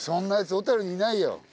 小樽にいないよ。